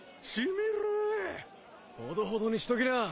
ほどほどにしときな。